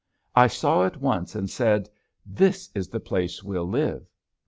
I saw it once and said, "This is the place we'll live."